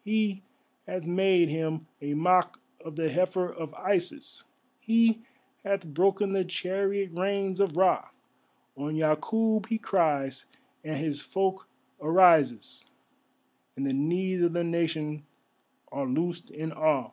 He hath made Him a mock of the heifer of Isis, He hath broken the chariot reins of Ra, On Yakûb He cries, and His folk arises, And the knees of the Nation are loosed in awe.